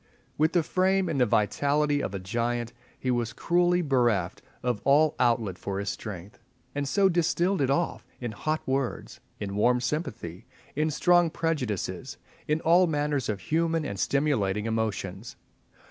With the frame and the vitality of a giant he was cruelly bereft of all outlet for his strength, and so distilled it off in hot words, in warm sympathy, in strong prejudices, in all manner of human and stimulating emotions.